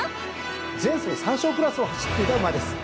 前走３勝クラスを走っていた馬です。